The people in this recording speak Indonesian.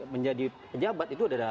menjadi pejabat itu